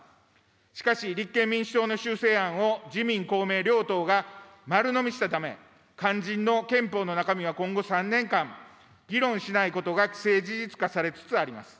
しかし立憲民主党の修正案を自民、公明両党が丸のみしたため、肝心の憲法の中身は今後３年間、議論しないことが既成事実化されつつあります。